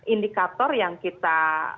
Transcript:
indikator yang kita